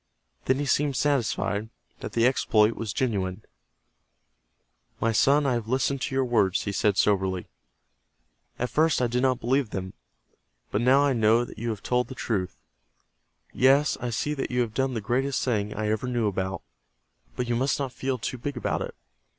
Then he seemed satisfied that the exploit was genuine. "My son, I have listened to your words," he said, soberly. "At first I did not believe them. But now I know that you have told the truth. Yes, I see that you have done the greatest thing I ever knew about, But you must not feel too big about it.